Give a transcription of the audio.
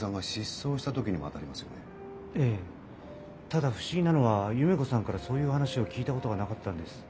ただ不思議なのは夢子さんからそういう話を聞いたことがなかったんです。